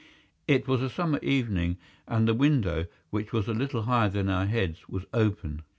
It was a summer evening, and the window, which was a little higher than our heads, was open.